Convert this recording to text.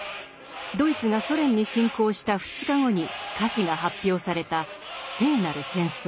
ドイツがソ連に侵攻した２日後に歌詞が発表された「聖なる戦争」。